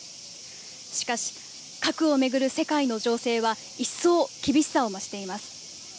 しかし、核を巡る世界の情勢は一層厳しさを増しています。